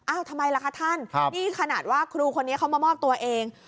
ทำไมล่ะคะท่านนี่ขนาดว่าครูคนนี้เขามามอบตัวเอง